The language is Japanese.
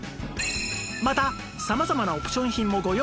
また様々なオプション品もご用意